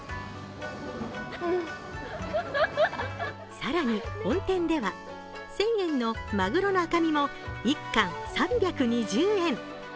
更に、本店では１０００円のまぐろの赤身も１貫３２０円。